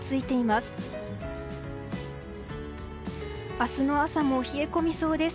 明日の朝も冷え込みそうです。